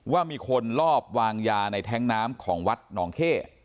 ว่ามีคนลอบวางยาในแท้งน้ำของวัดหนองเข้